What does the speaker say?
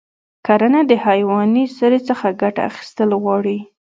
کرنه د حیواني سرې څخه ګټه اخیستل غواړي.